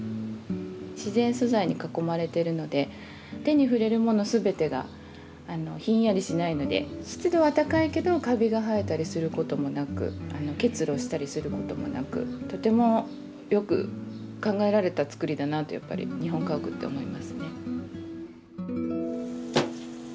自然素材に囲まれてるので手に触れる物全てがひんやりしないので湿度は高いけどかびが生えたりすることもなく結露したりすることもなくとてもよく考えられた造りだなってやっぱり日本家屋って思いますね。